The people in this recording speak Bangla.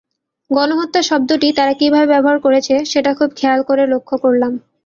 গণহত্যা শব্দটি তারা কীভাবে ব্যবহার করেছে, সেটা খুব খেয়াল করে লক্ষ করলাম।